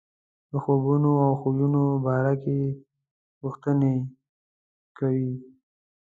د خوبونو او خویونو باره کې یې پوښتنې کوي.